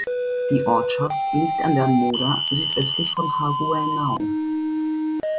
Die Ortschaft liegt an der Moder südöstlich von Haguenau.